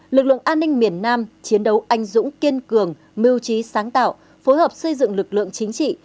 lực lượng an ninh miền nam chiến đấu anh dũng kiên cường mưu trí sáng tạo phối hợp xây dựng lực lượng chính trị